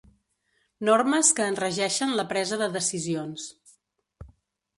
Normes que en regeixen la presa de decisions.